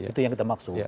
itu yang kita maksud